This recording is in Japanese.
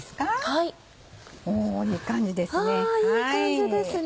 はぁいい感じですね。